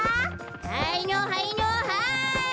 はいのはいのはい！